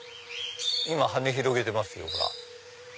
今羽広げてますよ。